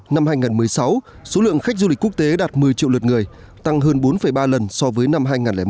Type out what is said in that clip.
năm hai nghìn một mươi sáu số lượng khách du lịch quốc tế đạt một mươi triệu lượt người tăng hơn bốn ba lần so với năm hai nghìn một